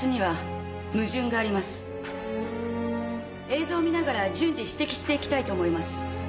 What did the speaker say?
映像を見ながら順次指摘していきたいと思います。